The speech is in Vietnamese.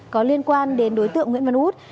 có liên quan đến đối tượng nguyễn văn út